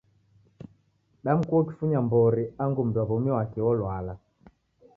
Damkua ukifunya mbori angu mundu wa womi wake wolwala.